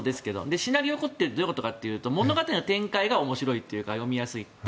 シナリオが凝っているのはどういうことかというと物語の展開が面白くて読みやすい。